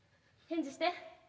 返事して。